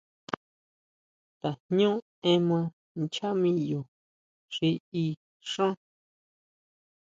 Tajñú ema nchá miyo xi í xán.